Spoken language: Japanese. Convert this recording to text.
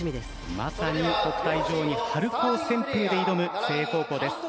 まさに国体女王に春高旋風で挑む誠英高校です。